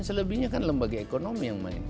selebihnya kan lembaga ekonomi yang main